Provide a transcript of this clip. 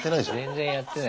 全然やってない。